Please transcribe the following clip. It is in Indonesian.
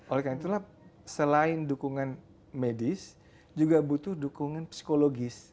oleh karena itulah selain dukungan medis juga butuh dukungan psikologis